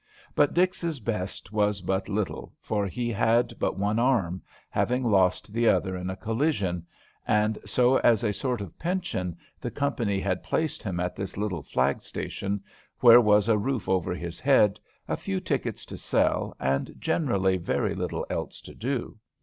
But Dix's best was but little, for he had but one arm, having lost the other in a collision, and so as a sort of pension the company had placed him at this little flag station, where was a roof over his head, a few tickets to sell, and generally very little else to do.